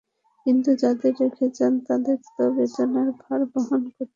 কিন্তু যাঁদের রেখে যান, তাঁদের তো বেদনার ভার বহন করতে হয়।